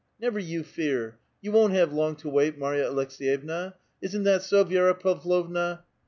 " "Never you fear; you won't have long to wait, Marya Aleks^yevna. — Isn't that so, Vi^ra Pavlovna?